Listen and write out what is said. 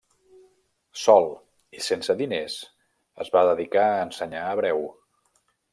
Sòl i sense diners, es va dedicar a ensenyar hebreu.